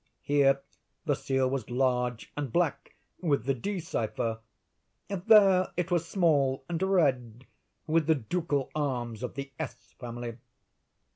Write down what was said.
Here the seal was large and black, with the D—— cipher; there it was small and red, with the ducal arms of the S—— family.